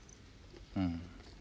うん。